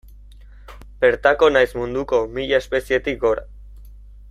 Bertako nahiz munduko mila espezietik gora.